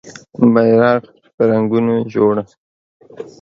بېرغ په رنګونو جوړ